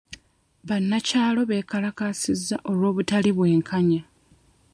Bannakyalo beekalakaasizza olw'obutali bwenkanya.